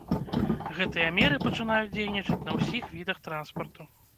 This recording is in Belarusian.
Гэтыя меры пачынаюць дзейнічаць на ўсіх відах транспарту.